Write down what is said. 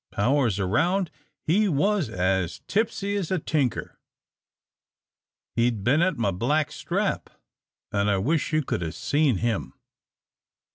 Powers around, he was as tipsy as a tinker. He'd bin at my black strap, an' I wish you could 'a' seen him.